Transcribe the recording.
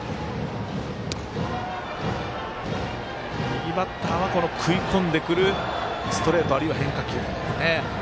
右バッターは食い込んでくるストレートあるいは変化球。